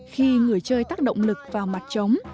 khi người chơi tắt động lực vào mặt trống